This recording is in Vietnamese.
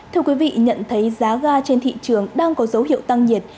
thưa quý vị nhận thấy giá ga trên thị trường đang có dấu hiệu tăng nhiệt